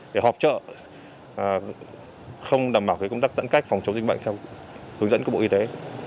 để họp chợ không đảm bảo công tác dẫn cách phòng chống dịch bệnh theo hướng dẫn của bộ y tế